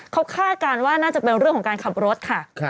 เขาคาดการณ์ว่าน่าจะเป็นเรื่องของการขับรถค่ะ